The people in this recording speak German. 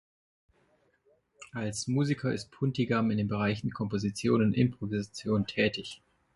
Als Musiker ist Puntigam in den Bereichen Komposition und Improvisation tätig.